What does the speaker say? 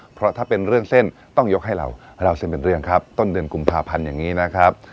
เพราะถ้าเป็นเรื่องเส้นต้องยกให้เราให้เล่าเส้นเป็นเรื่องครับต้นเดือนกุมภาพันธ์อย่างนี้นะครับ